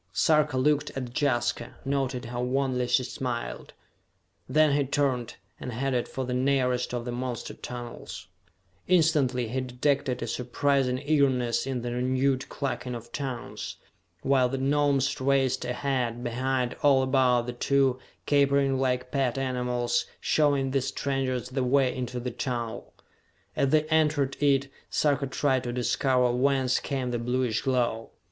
Sarka looked at Jaska, noted how wanly she smiled. Then he turned, and headed for the nearest of the monster tunnels. Instantly he detected a surprising eagerness in the renewed clucking of tongues, while the Gnomes raced ahead, behind, all about the two, capering like pet animals, showing these strangers the way into the tunnel. As they entered it, Sarka tried to discover whence came the bluish glow.